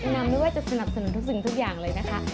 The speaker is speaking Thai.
นำไม่ว่าจะสนับสนุนทุกสิ่งทุกอย่างเลยนะคะ